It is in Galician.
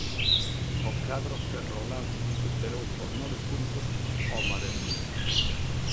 O cadro ferrolán superou por nove puntos o Maresmo.